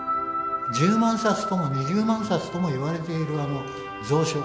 １０万冊とも２０万冊とも言われているあの蔵書。